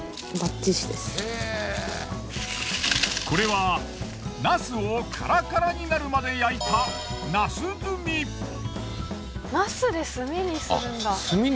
これはナスをカラカラになるまで焼いたナス炭。